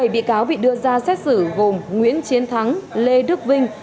bảy bị cáo bị đưa ra xét xử gồm nguyễn chiến thắng lê đức vinh